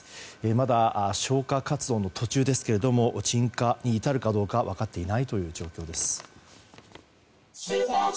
まだ消火活動の途中ですが鎮火に至るかどうか分かっていないという状況です。